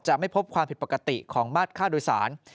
ไม่พบความผิดปกติของมาตรค่าโดยสาร